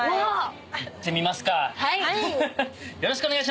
はい！